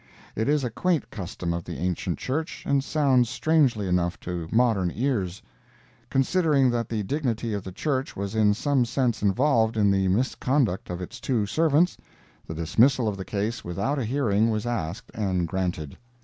It is a quaint custom of the ancient Church, and sounds strangely enough to modern ears. Considering that the dignity of the Church was in some sense involved in the misconduct of its two servants, the dismissal of the case without a hearing was asked and granted.